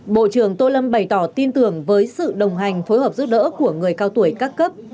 bộ trưởng tô lâm bày tỏ tin tưởng với sự đồng hành phối hợp giúp đỡ của người cao tuổi các cấp